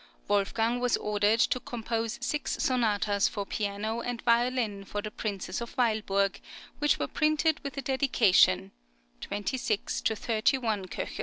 Wolfgang was ordered to compose six sonatas for piano and violin for the Princess of Weilburg, which were printed with a dedication (26 to 31, K.).